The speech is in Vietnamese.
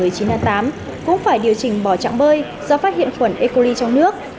cũng phải điều chỉnh bỏ trạng bơi do phát hiện khuẩn e coli trong nước